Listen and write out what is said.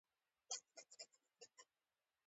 د زمانشاه د مارشونو کوښښونو اندېښنې پیدا کړي وې.